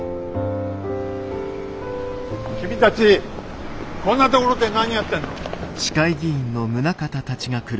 君たちこんなところで何やってんの？